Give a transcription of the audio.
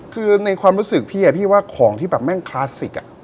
คือในความรู้สึกพี่พี่ว่าของที่แบบแม่งคลาสสิก